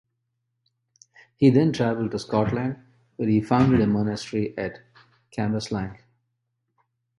He then travelled to Scotland where he founded a monastery at Cambuslang.